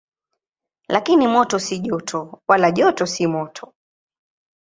Lakini moto si joto, wala joto si moto.